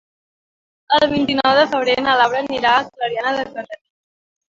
El vint-i-nou de febrer na Laura anirà a Clariana de Cardener.